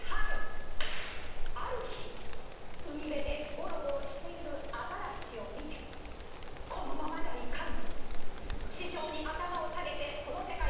ある日海辺でゴロゴロしているアザラシを見て「このままじゃいかん」と師匠に頭を下げてこの世界に戻ってまいりました。